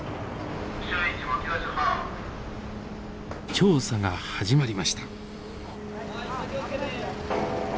調査が始まりました。